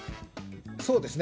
そうですね。